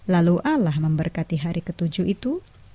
lalu allah memberkati hari ke tujuh itu